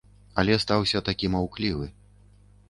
Але стаўся такі маўклівы.